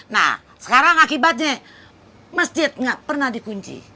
nah sekarang akibatnya masjid nggak pernah dikunci